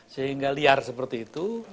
sehingga liar seperti itu